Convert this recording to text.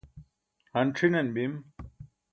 han c̣hinan bim